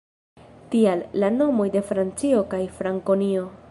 Tial, la nomoj de Francio kaj Frankonio.